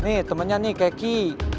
nih temennya nih keki